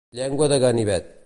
Llengua de ganivet.